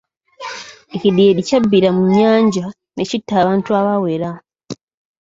Ekidyeri kyabbira mu nnyanja ne kitta abantu abawera.